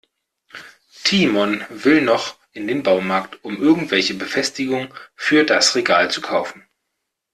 Timon will noch in den Baumarkt, um irgendwelche Befestigungen für das Regal zu kaufen.